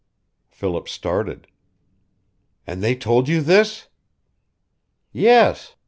Philip started. "And they told you this?" "Yes.